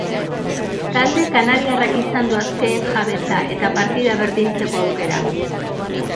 Talde kanariarrak izan du azken jabetza, eta partida berdintzeko aukera.